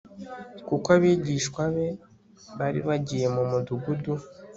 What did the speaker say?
kuko abigishwa be bari bagiye mu mudugudu